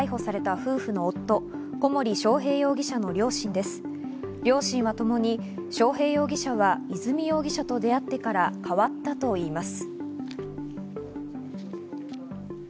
両親はともに章平容疑者は和美容疑者と出会ってから変わったといいます。